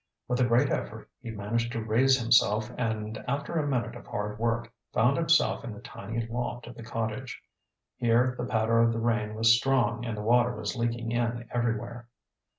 With a great effort he managed to raise himself and after a minute of hard work found himself in the tiny loft of the cottage. Here the patter of the rain was strong and the water was leaking in everywhere.